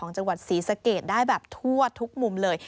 จังหวัดศรีสะเกดได้แบบทั่วทุกมุมเลย